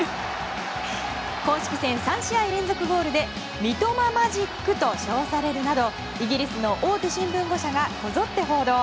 公式戦３試合連続ゴールで三笘マジックと称されるなどイギリスの大手新聞５社がこぞって報道。